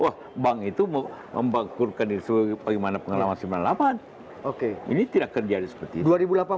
yang itu membangkulkan diri sebagai pengelaman sembilan puluh delapan oke ini tidak terjadi seperti itu